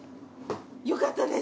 よかったです！